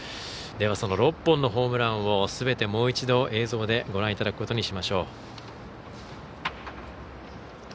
その６本のホームランをすべてもう一度映像でご覧いただくことにしましょう。